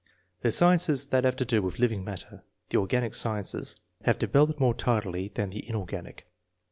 The sciences that have to do with living matter, the organic sciences, have developed more tardily than the inorganic.